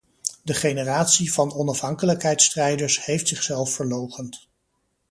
De generatie van onafhankelijkheidsstrijders heeft zichzelf verloochend.